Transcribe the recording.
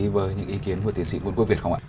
với những ý kiến của tiến sĩ quân quốc việt không ạ